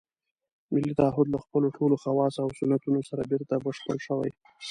ملي تعهُد له خپلو ټولو خواصو او سنتونو سره بېرته بشپړ شوی.